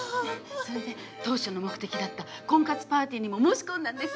それで当初の目的だった婚活パーティーにも申し込んだんです。